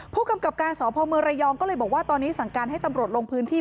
ผู้กำกับการสพเมืองระยองก็เลยบอกว่าตอนนี้สั่งการให้ตำรวจลงพื้นที่